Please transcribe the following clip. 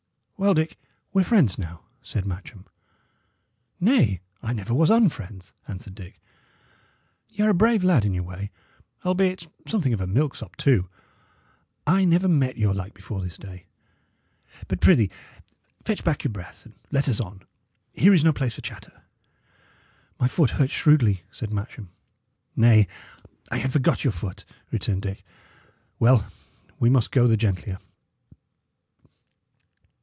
"Well, Dick, we're friends now," said Matcham. "Nay, I never was unfriends," answered Dick. "Y' are a brave lad in your way, albeit something of a milksop, too. I never met your like before this day. But, prithee, fetch back your breath, and let us on. Here is no place for chatter." "My foot hurts shrewdly," said Matcham. "Nay, I had forgot your foot," returned Dick. "Well, we must go the gentlier.